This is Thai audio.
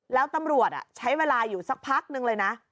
แล้วตำรวจใช้เวลาอยู่สักพักนึงเลยนะ